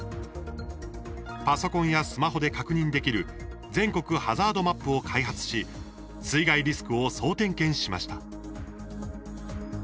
パソコンやスマホで確認できる全国ハザードマップを開発し水害リスクを総点検しました。